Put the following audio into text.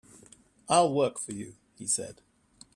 "I'll work for you," he said.